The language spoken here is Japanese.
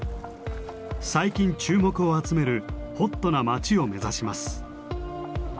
最近注目を集めるホットな町を目指します。